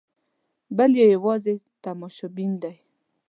بل یې یوازې تماشبین دی.